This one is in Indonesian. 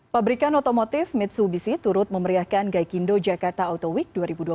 pabrikan otomotif mitsubishi turut memeriahkan gaikindo jakarta auto week dua ribu dua puluh tiga